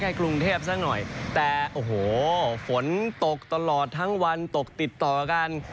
ใกล้กรูมเทพฯสังหน่อยแต่โอ้โหฝนตกตลอดทั้งวันตกติดต่อกับการแบบกว่า